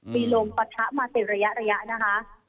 มีลมปะถะมาสุดในระยะครับ